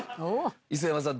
磯山さん。